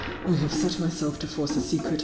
I have set my self to force a secret (j.